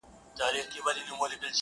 کله شات کله شکري پيدا کيږي,